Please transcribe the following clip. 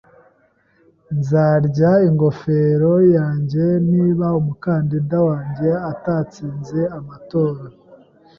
Nzarya ingofero yanjye niba umukandida wanjye atatsinze amatora.